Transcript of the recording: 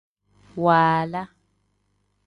Waala.